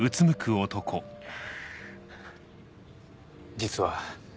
実は。